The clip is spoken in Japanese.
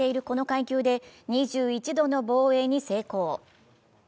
この階級で２１度の防衛に成功。